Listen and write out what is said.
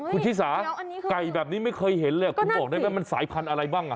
คุณชิสาไก่แบบนี้ไม่เคยเห็นเลยคุณบอกได้ไหมมันสายพันธุ์อะไรบ้างอ่ะ